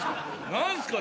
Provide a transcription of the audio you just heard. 何すか？